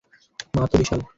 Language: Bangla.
মা তো বিশাল!